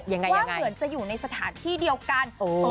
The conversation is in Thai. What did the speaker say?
ว่าเหมือนจะอยู่ในสถานที่เดียวกัน